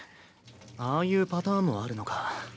ああいうパターンもあるのか。